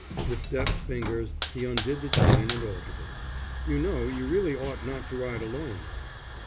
With deft fingers he undid the chain and altered it. "You know, you really ought not to ride alone."